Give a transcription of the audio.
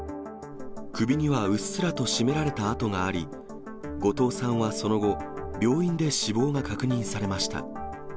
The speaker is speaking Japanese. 首にはうっすらと絞められた痕があり、後藤さんはその後、病院で死亡が確認されました。